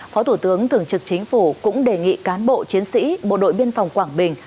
phó thủ tướng thường trực chính phủ cũng đề nghị cán bộ chiến sĩ bộ đội biên phòng quảng bình